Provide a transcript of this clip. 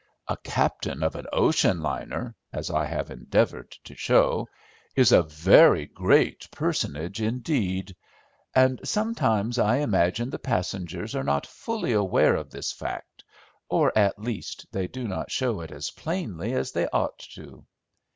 A captain of an ocean liner, as I have endeavoured to show, is a very great personage indeed. And sometimes I imagine the passengers are not fully aware of this fact, or at least they do not show it as plainly as they ought to.